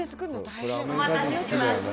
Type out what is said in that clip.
お待たせしました。